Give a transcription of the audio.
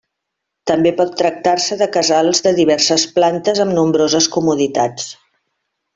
També pot tractar-se de casals de diverses plantes amb nombroses comoditats.